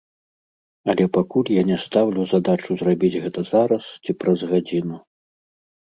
Але пакуль я не стаўлю задачу зрабіць гэта зараз ці праз гадзіну.